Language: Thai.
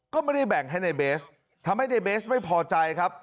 ก็ไม่ได้แบ่งให้ในเบสทำให้ในเบสไม่พอใจครับ